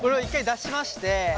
出しまして。